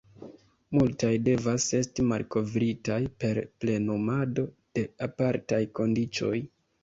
Multaj devas esti malkovritaj per plenumado de apartaj kondiĉoj.